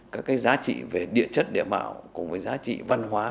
các cái giá trị về địa chất địa mạo cùng với giá trị văn hóa